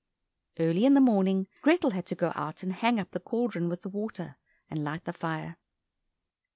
Early in the morning, Grethel had to go out and hang up the cauldron with the water, and light the fire.